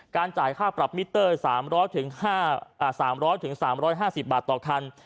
จ่ายค่าปรับมิเตอร์๓๐๐๓๕๐บาทต่อคัน